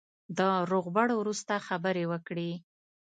د روغبړ وروسته خبرې وکړې.